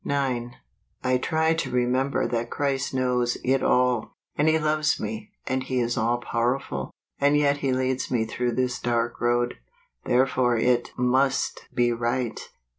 9. I try to remember that Christ knows it all, and he loves me, and he is all power¬ ful ; and yet he leads me through this dark road ; therefore it must be right.